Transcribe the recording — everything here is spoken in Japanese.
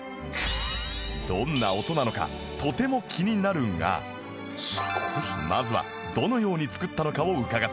どんな音なのかとても気になるがまずはどのように作ったのかを伺った